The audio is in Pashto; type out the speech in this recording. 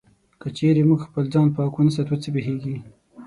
که چېرې موږ خپل ځان پاک و نه ساتو، څه پېښيږي؟